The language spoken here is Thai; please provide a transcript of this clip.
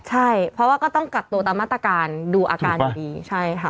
ใช่เพราะว่าก็ต้องกักตัวตามมาตรการดูอาการอยู่ดีใช่ค่ะ